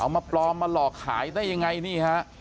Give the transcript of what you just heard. มาปลอมมาหลอกขายได้ยังไงนี่ฮะ